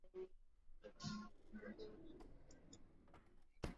wa cote de voire nchini ufaransa